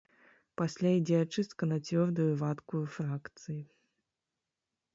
Пасля ідзе ачыстка на цвёрдую і вадкую фракцыі.